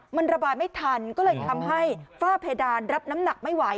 มันระบายไม่ทันก็เลยทำให้ฝ้าเพดานรับน้ำหนักไม่ไหว